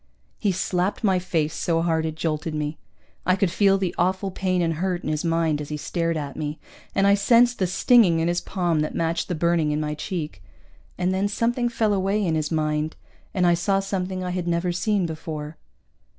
He slapped my face so hard it jolted me. I could feel the awful pain and hurt in his mind as he stared at me, and I sensed the stinging in his palm that matched the burning in my cheek. And then something fell away in his mind, and I saw something I had never seen before.